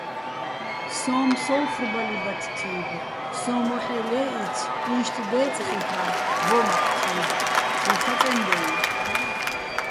სო́ჼ მსოუ̆ხრბალიბათ-თიბო̆, სო́ჼ მოჰ̦ე́ ლე́ჸიცი̆, უჲშტი̆ დე́წე̆ ხილ'აჼ ვუ́მაჸ-თი́ბო̆, შუჼ ხაწენდაჲ?